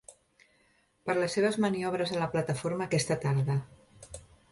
Per les seves maniobres a la plataforma aquesta tarda.